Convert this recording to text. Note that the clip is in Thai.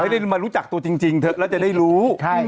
ไม่ได้มารู้จักตัวจริงเถอะแล้วจะได้รู้